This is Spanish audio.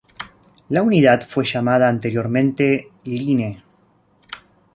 La unidad fue llamada anteriormente line.